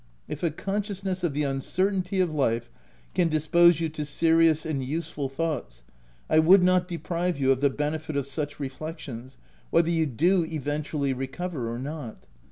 If a consciousness of the uncer tainty of life can dispose you to serious and useful thoughts, I would not deprive you of the benefit of such reflections, whether you do OF WILDFELL HALL 211 eventually recover or not.